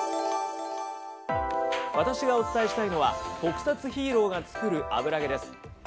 私がお伝えしたいのは特撮ヒーローが作る油揚げです。